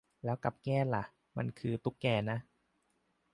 แล้วกับแก้ล่ะ มันคือตุ๊กแกนะ